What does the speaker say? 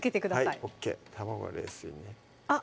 はいＯＫ卵は冷水ねあっ